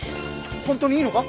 本当にいいのか？